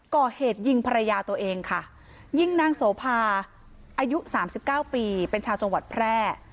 ก่อเหตุยิงภรรยาตัวเองค่ะยิงนางโสภาอายุ๓๙ปีเป็นชาวจังหวัดแพร่